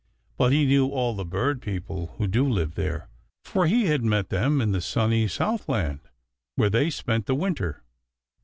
But he knew all the bird people who do live there, for he had met them in the sunny southland, where they spent the winter.